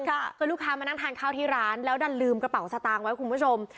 คือลูกค้ามานั่งทานข้าวที่ร้านแล้วดันลืมกระเป๋าสตางค์ไว้คุณผู้ชม